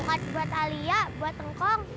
bukan buat alia buat engkong